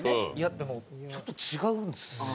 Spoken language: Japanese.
でもちょっと違うんですよね。